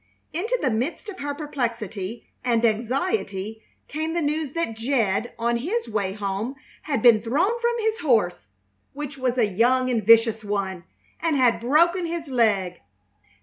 Into the midst of her perplexity and anxiety came the news that Jed on his way home had been thrown from his horse, which was a young and vicious one, and had broken his leg.